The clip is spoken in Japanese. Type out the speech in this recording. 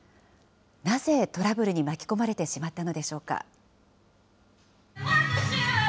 なぜトラブルに巻き込まれてしまったのでしょうか。